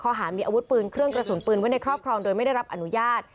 หามีอาวุธปืนเครื่องกระสุนปืนไว้ในครอบครองโดยไม่ได้รับอนุญาต